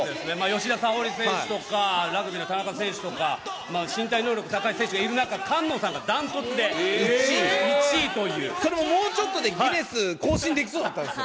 吉田沙保里選手とか、ラグビーの田中選手とか、身体能力高い選手がいる中、それももうちょっとで、ギネス更新できそうだったんですよ。